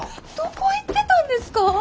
どこ行ってたんですか！？